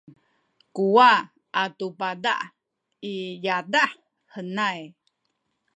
kuwa’ atu paza’ i yadah henay